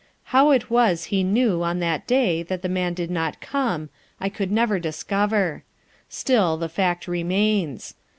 How it was he knew on that day that the man did not come I never could discover; still, the fact remains.